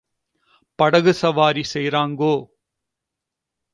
படகு சவாரி செய்ராங்கோ.